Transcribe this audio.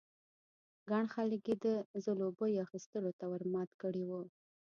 ګڼ خلک یې د ځلوبیو اخيستلو ته ور مات کړي وو.